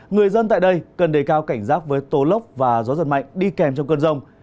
người dân tại đây cần đề cao cảnh giác với tố lốc và gió giật mạnh đi kèm trong cơn rông